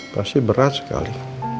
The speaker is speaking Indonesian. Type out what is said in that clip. pasti berat sekali